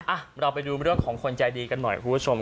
อ่ะเราไปดูเรื่องของคนใจดีกันหน่อยคุณผู้ชม